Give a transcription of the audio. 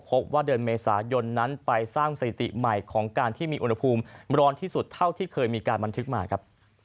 พบว่าเดือนเมษายนนั้นไปสร้างสถิติใหม่ของการที่มีอุณหภูมิร้อนที่สุดเท่าที่เคยมีการบันทึกมาครับ